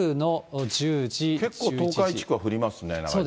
結構、東海地区は降りますね、長いこと。